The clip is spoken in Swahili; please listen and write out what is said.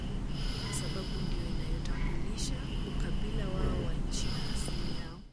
Kwasababu ndio inayotambulisha ukabila wao wa nchi na asili yao